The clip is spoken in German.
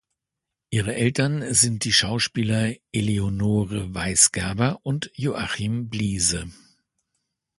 Ihre Eltern sind die Schauspieler Eleonore Weisgerber und Joachim Bliese.